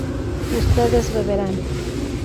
ustedes beberán